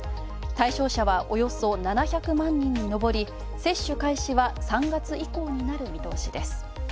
対象者はおよそ７００万人に上り接種開始は３月以降になる見通しです。